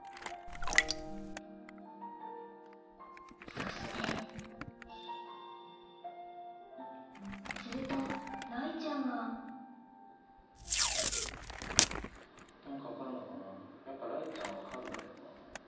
そしてすると雷ちゃんがやっぱ雷ちゃん分かるんだろうな。